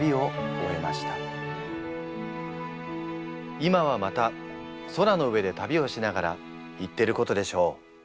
今はまた空の上で旅をしながら言ってることでしょう。